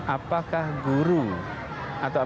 apakah guru pegawai kemdikbud bukan